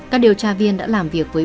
các điều tra viên đã làm việc với